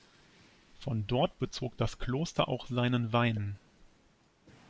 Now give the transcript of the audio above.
Von dort bezog das Kloster auch seinen Wein.